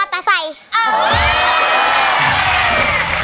มอเตอร์ไซค์